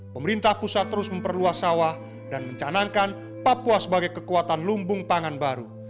pemerintah pusat terus memperluas sawah dan mencanangkan papua sebagai kekuatan lumbung pangan baru